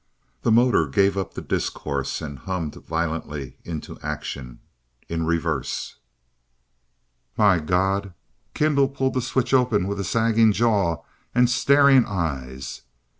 The motor gave up the discourse and hummed violently into action in reverse! "My God!" Kendall pulled the switch open with a sagging jaw and staring eyes.